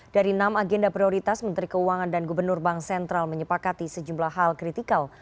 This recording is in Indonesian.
dari enam agenda prioritas menteri keuangan dan gubernur bank sentral menyepakati sejumlah hal kritikal